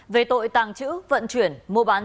về tội tàng trữ vận chuyển mua bán